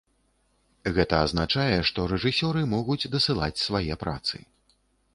Гэта азначае, што рэжысёры могуць дасылаць свае працы.